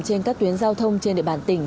trên các tuyến giao thông trên địa bàn tỉnh